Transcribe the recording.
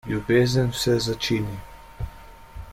Ljubezen vse začini.